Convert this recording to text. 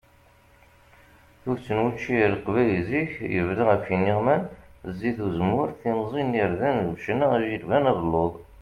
Tuget n wučči ar leqbayel zik yebna ɣef iniɣman, zit uzemmur, timẓin, irden, lbecna, ajilban, abelluḍ.